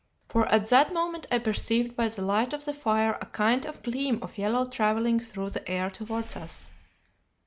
"For at that moment I perceived by the light of the fire a kind of gleam of yellow travelling through the air towards us.